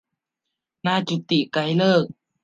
นายจุติ ไกรฤกษ์